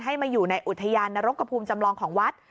มาอยู่ในอุทยานนรกกระภูมิจำลองของวัด